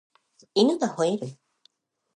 犬が吠える